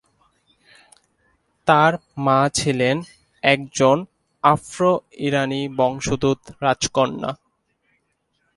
তার মা ছিলেন একজন আফ্রো ইরানি বংশোদ্ভূত রাজকন্যা।